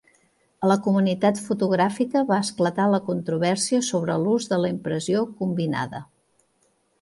A la comunitat fotogràfica va esclatar la controvèrsia sobre l'ús de la impressió combinada.